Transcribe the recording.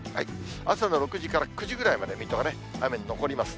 朝の６時から９時ぐらいまで、水戸はね、雨、残ります。